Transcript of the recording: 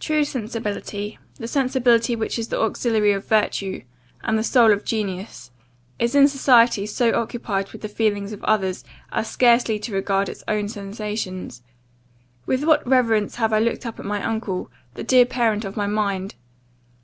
True sensibility, the sensibility which is the auxiliary of virtue, and the soul of genius, is in society so occupied with the feelings of others, as scarcely to regard its own sensations. With what reverence have I looked up at my uncle, the dear parent of my mind!